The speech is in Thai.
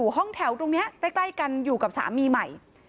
ห้องแถวตรงนี้ใกล้กันอยู่กับสามีใหม่